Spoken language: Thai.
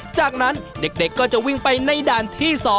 จากนั้นเด็กก็จะวิ่งไปในด่านที่๒